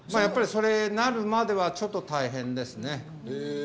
やっぱりそれになるまではちょっと大変ですねへえ